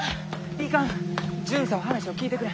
いかん巡査は話を聞いてくれん！